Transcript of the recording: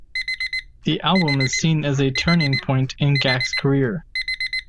The album is seen as a turning point in Gackt's career.